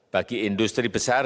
bagi industri besar